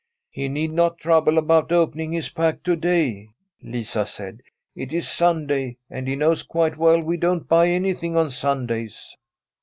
* He need not trouble about opening his pack to day,' Lisa said ;' it is Sunday, and he knows quite well we don't buy anything on Sundays.'